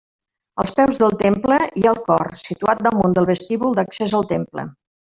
Als peus del temple hi ha el cor, situat damunt del vestíbul d'accés al temple.